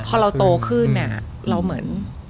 พอเราโตขึ้นเราเหมือน